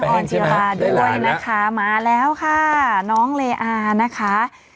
พี่ปั๊ดเดี๋ยวมาที่ร้องให้